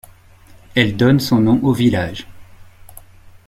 Elle donne son nom au village.